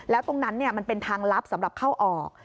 แล้วตรงนั้นมันเป็นทางลับสำหรับเข้าออก